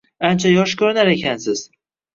Ancha yosh ko'rinar ekansiz.